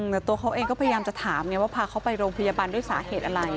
แต่ตัวเขาเองก็พยายามจะถามไงว่าพาเขาไปโรงพยาบาลด้วยสาเหตุอะไร